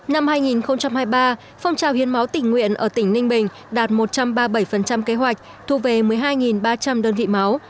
năm hai nghìn hai mươi ba phong trào hiến máu tỉnh nguyện ở tỉnh ninh bình đạt một trăm ba mươi bảy kế hoạch thu về một mươi hai ba trăm linh đơn vị máu